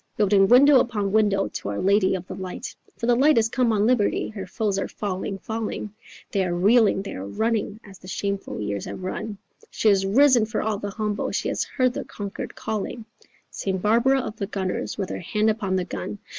Building window upon window to our lady of the light. For the light is come on Liberty, her foes are falling, falling, They are reeling, they are running, as the shameful years have run, She is risen for all the humble, she has heard the conquered calling, St. Barbara of the Gunners, with her hand upon the gun.